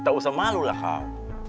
ah tak usah malu lah kau